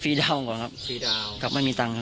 ฟรีดาวน์ก่อนครับไม่มีตังค์ครับ